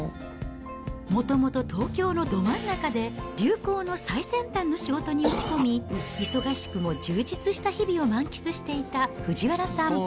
もともと東京のど真ん中で流行の最先端の仕事に打ち込み、忙しくも充実した日々を満喫していた藤原さん。